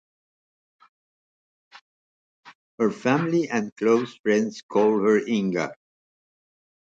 Her family and close friends call her Inga.